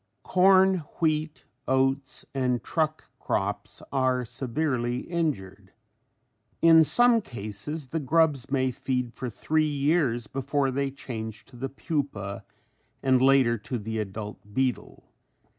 Corn, wheat, oats and truck crops are severely injured. In some cases the grubs may feed for three years before they change to the pupa and later to the adult beetle.